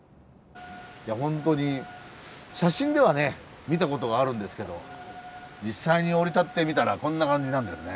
ホントに写真ではね見たことがあるんですけど実際に降り立ってみたらこんな感じなんですね。